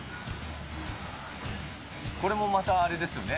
これもまたあれですよね。